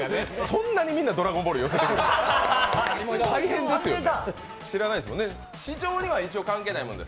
そんなにみんな「ドラゴンボール」に寄せてくるの？